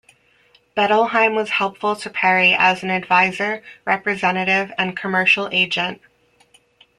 Bettelheim was helpful to Perry as an advisor, representative and commercial agent.